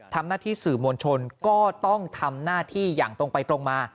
ทำหน้าที่สื่อมวลชนก็ต้องทำหน้าที่อย่างตรงไปตรงมา